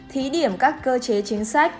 thí điểm các cơ chế chính sách